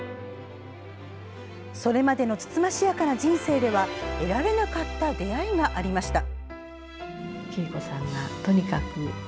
それまでの慎ましやかな人生では得られなかった出会いがありました。